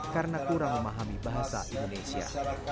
karena kurang memahami bahasa indonesia